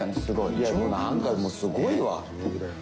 すごいな！